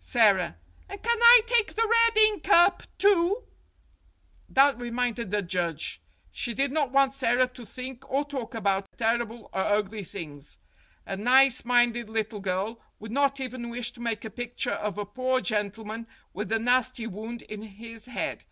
Sara : And can I take the red ink up, too ? That reminded the judge. She did not want Sara to think or talk about terrible or ugly things. A nice minded little girl would not even wish to make a picture of a poor gentleman with a nasty wound in his head.